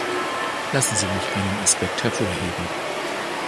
Lassen Sie mich einen Aspekt hervorheben.